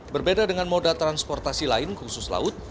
berbeda dengan moda transportasi lain khusus laut